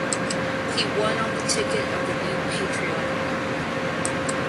He won on the ticket of the New Patriotic Party.